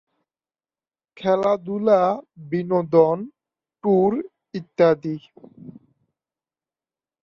খেলাধুলা, বিনোদন, ট্যুর ইত্যাদি।